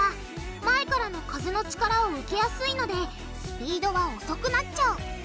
前からの風の力を受けやすいのでスピードは遅くなっちゃう。